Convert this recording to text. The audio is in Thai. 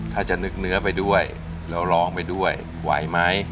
ถ้าจะนึกเนื้อไปด้วยแล้วร้องไปด้วยไหวไหม